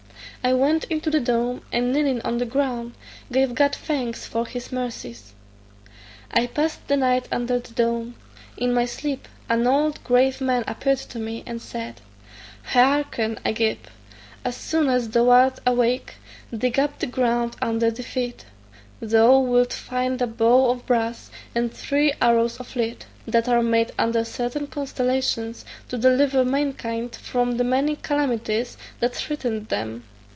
I went into the dome, and kneeling on the ground, gave God thanks for his mercies. I passed the night under the dome. In my sleep an old grave man appeared to me, and said, "Hearken, Agib; as soon as thou art awake dig up the ground under thy feet: thou wilt find a bow of brass, and three arrows of lead, that are made under certain constellations, to deliver mankind from the many calamities that threaten them.